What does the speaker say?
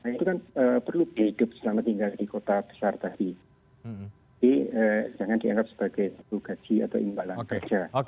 itu kan perlu biaya hidup selama tinggal di kota besar tadi jangan dianggap sebagai gaji atau imbalan gajah